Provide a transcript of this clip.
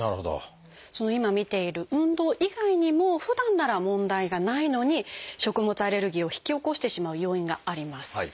今見ている運動以外にもふだんなら問題がないのに食物アレルギーを引き起こしてしまう要因があります。